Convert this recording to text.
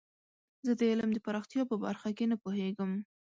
زه د علم د پراختیا په برخه کې نه پوهیږم.